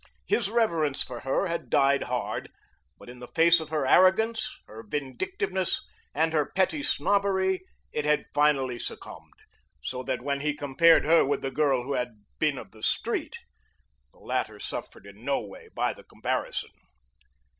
His reverence for her had died hard, but in the face of her arrogance, her vindictiveness and her petty snobbery it had finally succumbed, so that when he compared her with the girl who had been of the street the latter suffered in no way by the comparison.